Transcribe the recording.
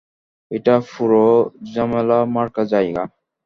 এটা পুরো ঝামেলামার্কা জায়গা।